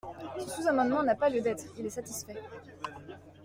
Ce sous-amendement n’a pas lieu d’être, il est satisfait.